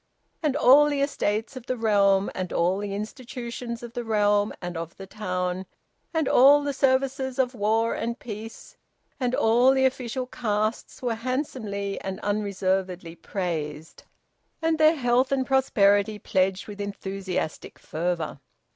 And all the estates of the realm, and all the institutions of the realm and of the town, and all the services of war and peace, and all the official castes were handsomely and unreservedly praised, and their health and prosperity pledged with enthusiastic fervour.